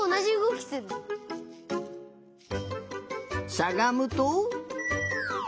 しゃがむと。